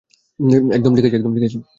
একদম ঠিক আছি।